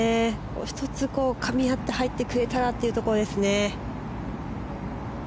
１つかみ合って入ってくれたらというところですね。